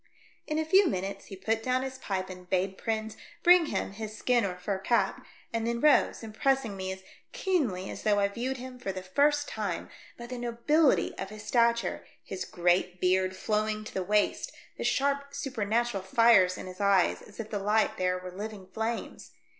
In a few minutes he put down his pipe and bade Prins bring him his skin or fur cap, and then rose, impressing me as keenly as though I viewed him for the first time by the nobility of his stature, his great beard flowing to the waist, the sharp supernatural fires in his eyes as if the light there were living flames.